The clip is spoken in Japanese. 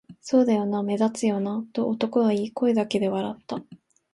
「そうだよな、目立つよな」と男は言い、声だけで笑った